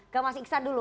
ke mas iksan dulu